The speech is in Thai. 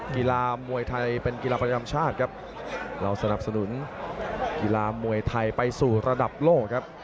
กีฬามวยไทยเป็นกีฬาประจำชาติครับเราสนับสนุนกีฬามวยไทยไปสู่ระดับโลกครับ